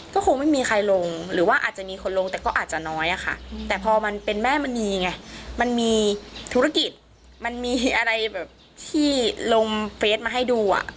ก็คงไม่มีใครลงหรือว่าอาจจะมีคนลงแต่ก็อาจจะน้อยอะค่ะแต่พอมันเป็นแม่มณีไงมันมีธุรกิจมันมีอะไรแบบที่ลงเฟสมาให้ดูอ่ะ